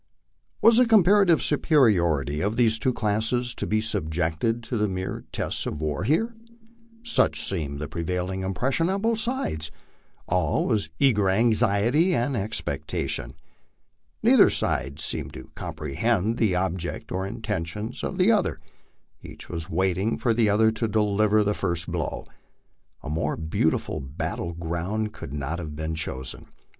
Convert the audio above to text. "Was the comparative superiority of these two classes to be subjected to the mere test of war here? Such seemed the prevailing impression on both sides. All was eager anxiety and expectation. Neither side seemed to comprehend the object or intentions of the other; each was waiting for the other to deliver the first blow. A more beautiful battle ground could not have been chosen.